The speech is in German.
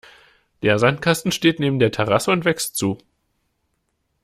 Der Sandkasten steht neben der Terrasse und wächst zu.